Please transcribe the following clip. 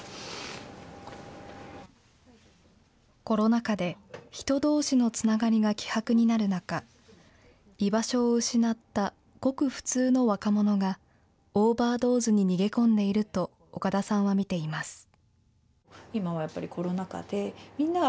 コロナ禍で人どうしのつながりが希薄になる中、居場所を失ったごく普通の若者が、オーバードーズに逃げ込んでいると、岡田さんは見ています。